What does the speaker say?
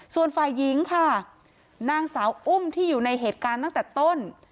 ส่วนฝ่ายหญิงค่ะนางสาวอุ้มที่อยู่ในเหตุการณ์ตั้งแต่ต้น